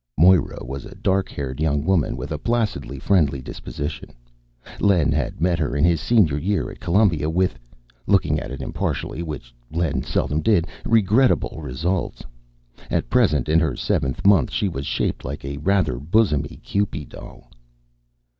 Moira was a dark haired young woman with a placid, friendly disposition. Len had met her in his senior year at Columbia, with looking at it impartially, which Len seldom did regrettable results. At present, in her seventh month, she was shaped like a rather bosomy kewpie doll.